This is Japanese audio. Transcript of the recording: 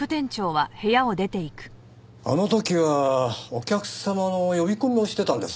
あの時はお客様の呼び込みをしてたんです。